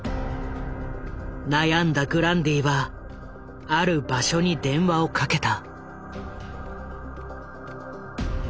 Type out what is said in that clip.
悩んだグランディはある場所に電話をかけた。